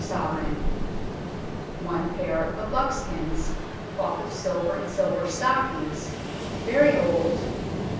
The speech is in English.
5 One pair of buskins, cloth of silver and silver stockings, very old